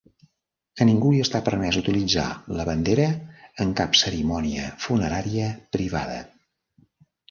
A ningú li està permès utilitzar la bandera en cap cerimònia funerària privada.